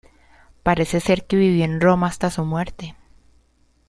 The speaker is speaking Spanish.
Parece ser que vivió en Roma hasta su muerte.